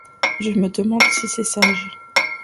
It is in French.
Je me demande si c'est sage.